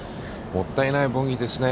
もったいないボギーですね。